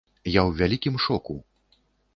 Я ў вялікім шоку.